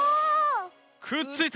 くっついた。